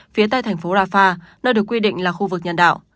phía tây thành phố rafah nơi được quy định là khu vực nhân đạo